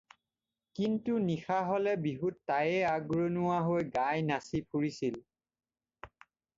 কিন্তু নিশা হলে বিহুত-তায়ে আগৰণুৱা হৈ গাই নাচি ফুৰিছিল।